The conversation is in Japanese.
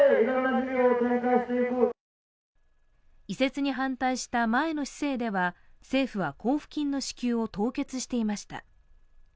移設に反対した前の市政では政府は交付金の支給を凍結していました。